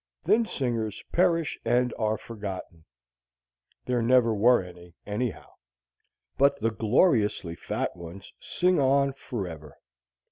Thin singers perish and are forgotten (there never were any, anyhow); but the gloriously fat ones sing on forever.